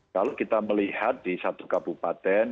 kalau kita melihat di satu kabupaten